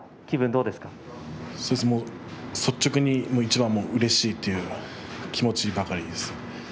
そうですね、率直にいちばんうれしいという気持ちばかりです。